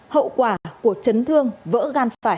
hậu quả của chấn thương vỡ gan phải